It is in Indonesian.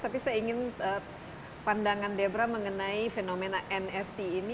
tapi saya ingin pandangan debra mengenai fenomena nft ini